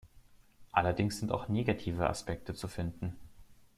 Allerdings sind auch negative Aspekte zu finden.